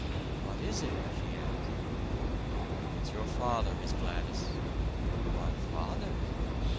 "What is it?" she asked. "It's your father, Miss Gladys." "My father?"